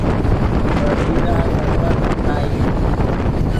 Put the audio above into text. ڤے بیرا دے تہہ اوستائیم